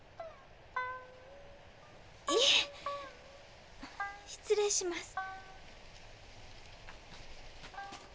いえ失礼します。